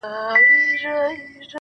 هره شېبه.